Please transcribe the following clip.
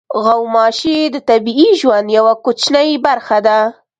غوماشې د طبیعي ژوند یوه کوچنۍ برخه ده.